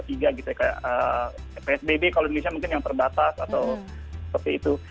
psbb kalau di indonesia mungkin yang terbatas atau seperti itu